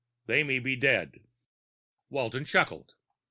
They may be dead._ Walton chuckled.